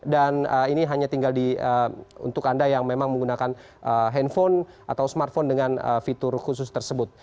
dan ini hanya tinggal untuk anda yang memang menggunakan handphone atau smartphone dengan fitur khusus tersebut